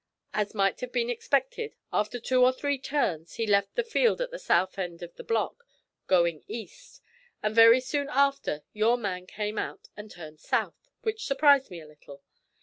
As might have been expected, after two or three turns he left the field at the south end of the block, going east; and very soon after your man came out and turned south, which surprised me a little.